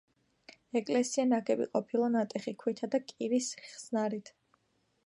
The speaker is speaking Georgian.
ეკლესია ნაგები ყოფილა ნატეხი ქვითა და კირის ხსნარით.